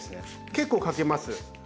結構かけます。